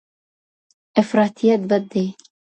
افراطیت بد دی.